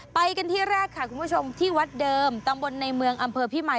ไปกันที่แรกค่ะคุณผู้ชมที่วัดเดิมตำบลในเมืองอำเภอพี่มาย